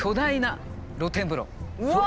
うわ！